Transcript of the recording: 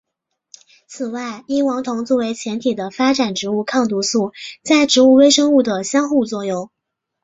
此外异黄酮作为前体的发展植物抗毒素在植物微生物的相互作用。